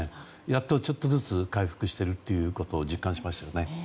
やっとちょっとずつ回復していることを実感しましたね。